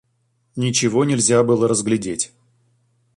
Ничего нельзя было разглядеть.